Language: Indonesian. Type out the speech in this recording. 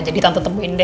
jadi tante temuinya